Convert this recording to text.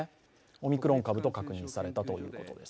オミクロン株と確認されたということです。